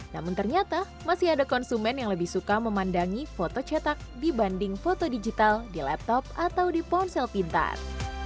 namun ternyata masih ada konsumen yang lebih suka memandangi foto cetak dibanding foto digital di laptop atau di ponsel pintar